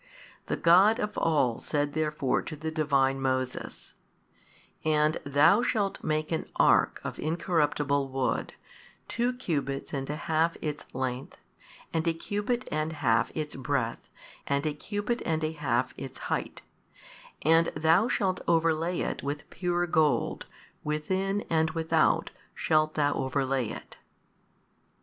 The God of all said therefore to the divine Moses, And thou shalt make an ark of incorruptible wood, two cubits and a half its length, and a cubit and half its breadth and a cubit and a half its height, and thou shalt overlay it with pure gold, within and without shalt thou overlay it.